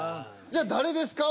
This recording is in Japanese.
じゃあ誰ですか？